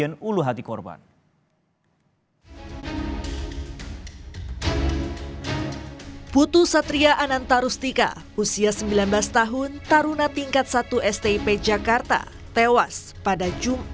jenazah putu satria ananta rustika usia sembilan belas tahun taruna tingkat satu stip jakarta